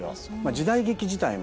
時代劇自体も。